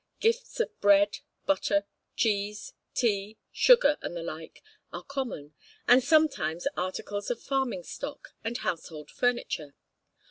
Gifts of bread, butter, cheese, tea, sugar, and the like, are common, and sometimes articles of farming stock and household furniture.